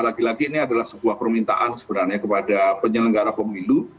lagi lagi ini adalah sebuah permintaan sebenarnya kepada penyelenggara pemilu